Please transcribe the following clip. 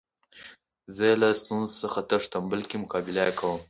زه له ستونزو څخه تښتم؛ بلکي مقابله ئې کوم.